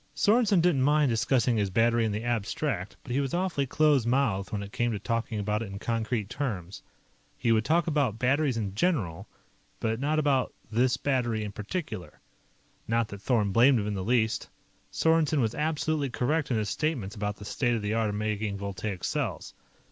Sorensen didn't mind discussing his battery in the abstract, but he was awfully close mouthed when it came to talking about it in concrete terms. He would talk about batteries in general, but not about this battery in particular. Not that Thorn blamed him in the least. Sorensen was absolutely correct in his statements about the state of the art of making voltaic cells.